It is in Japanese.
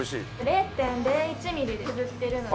０．０１ミリで削ってるので。